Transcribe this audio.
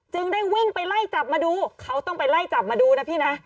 ได้วิ่งไปไล่จับมาดูเขาต้องไปไล่จับมาดูนะพี่นะ